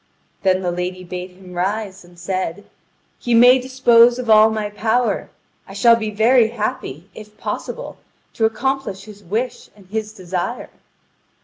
Then the lady bade him rise, and said: "He may dispose of all my power! I shall be very happy, if possible, to accomplish his wish and his desire."